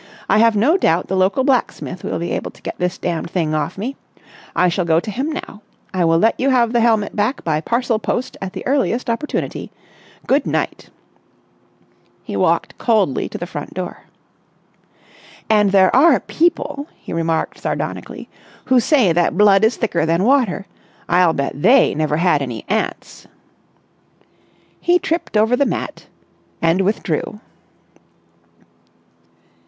I have no doubt the local blacksmith will be able to get this damned thing off me. I shall go to him now. I will let you have the helmet back by parcel post at the earliest opportunity. Good night!" He walked coldly to the front door. "And there are people," he remarked sardonically, "who say that blood is thicker than water! I'll bet they never had any aunts!" He tripped over the mat and withdrew.